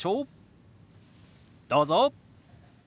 どうぞ。